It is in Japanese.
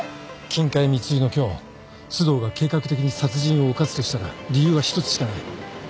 金塊密輸の今日須藤が計画的に殺人を犯すとしたら理由は１つしかない。